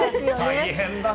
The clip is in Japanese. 大変だな。